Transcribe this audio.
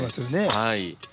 はい。